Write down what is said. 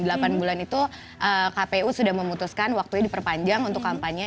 dan delapan bulan itu kpu sudah memutuskan waktunya diperpanjang untuk kampanye